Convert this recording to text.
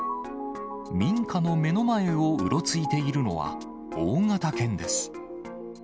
民家の目の前をうろついているのは、大型犬です。